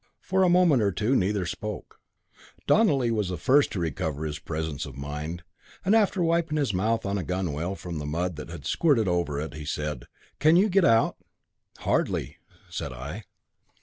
For a moment or two neither spoke. Donelly was the first to recover his presence of mind, and after wiping his mouth on the gunwale from the mud that had squirted over it, he said: "Can you get out?" "Hardly," said I.